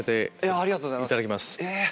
ありがとうございます。